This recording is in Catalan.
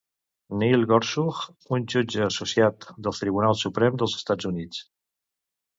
Neil Gorsuch és jutge associat del Tribunal Suprem dels Estats Units.